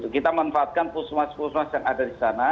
kita memanfaatkan pusmas pusmas yang ada di sana